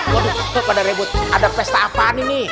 waduh pada ribut ada pesta apaan ini